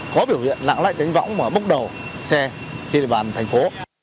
có biểu hiện lãng lạnh đánh võng mà bốc đầu xe trên địa bàn thành phố